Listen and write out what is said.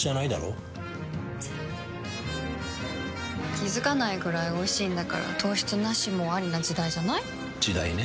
気付かないくらいおいしいんだから糖質ナシもアリな時代じゃない？時代ね。